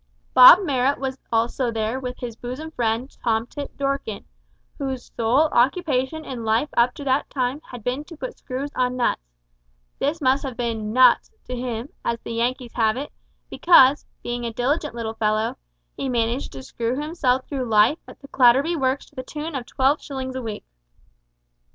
Bob Marrot was also there with his bosom friend Tomtit Dorkin, whose sole occupation in life up to that time had been to put screws on nuts; this must have been "nuts" to him, as the Yankees have it, because, being a diligent little fellow, he managed to screw himself through life at the Clatterby Works to the tune of twelve shillings a week.